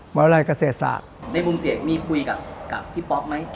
วาลัยเกษตรศาสตร์ในมุมเสียงมีคุยกับพี่ป๊อปไหม